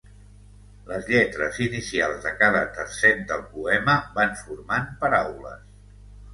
Les lletres inicials de cada tercet del poema van formant paraules.